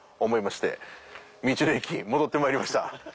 思いまして道の駅へ戻ってまいりました。